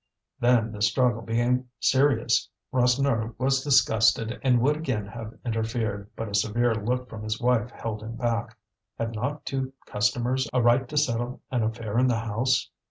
Then the struggle became serious. Rasseneur was disgusted, and would again have interfered, but a severe look from his wife held him back: had not two customers a right to settle an affair in the house?